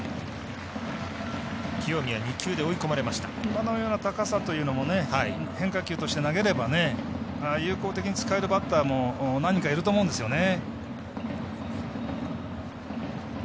今のような高さというのも変化球として投げれば有効的に使えるバッターも何人かいると思うんですよね。